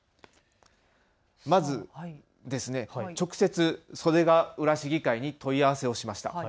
まず、直接、袖ケ浦市議会に問い合わせをしました。